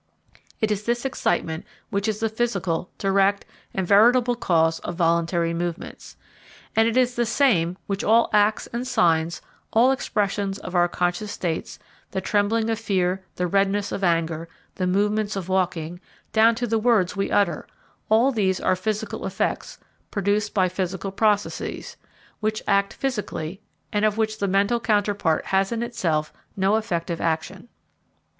It is this excitement which is the physical, direct, and veritable cause of voluntary movements. And it is the same with all acts and signs, all expressions of our conscious states; the trembling of fear, the redness of anger, the movements of walking, down to the words we utter all these are physical effects produced by physical processes, which act physically, and of which the mental counterpart has in itself no effective action.